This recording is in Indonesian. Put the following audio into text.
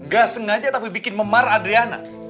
gak sengaja tapi bikin memar adriana